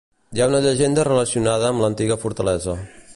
Hi ha una llegenda relacionada amb l'antiga fortalesa.